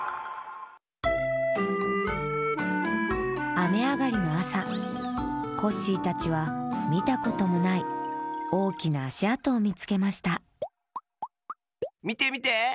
あめあがりのあさコッシーたちはみたこともないおおきなあしあとをみつけましたみてみて！